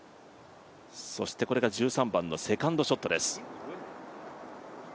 これが１３番のセカンドショットです。